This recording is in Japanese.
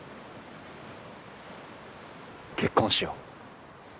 結婚しよう。